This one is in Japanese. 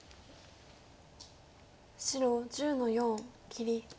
白１０の四切り。